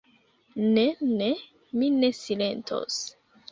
Ne, ne; mi ne silentos.